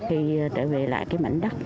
thì trở về lại cái mảnh đất